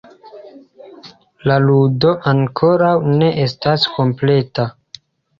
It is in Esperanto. La ludo ankoraŭ ne estas kompleta: